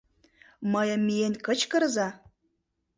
Мыйым миен кычкырыза: